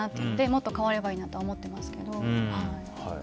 もっと変わればいいなとは思っていますけど。